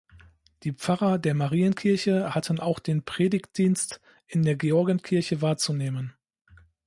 Die Pfarrer der Marienkirche hatten auch den Predigtdienst in der Georgenkirche wahrzunehmen.